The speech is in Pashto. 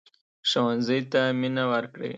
ښوونځی ته مينه ورکړئ